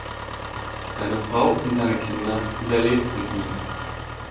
Seine Frau und seine Kinder überlebten ihn.